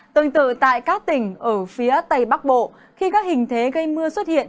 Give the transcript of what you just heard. tương tự tại các tỉnh ở phía tây bắc bộ khi các hình thế gây mưa xuất hiện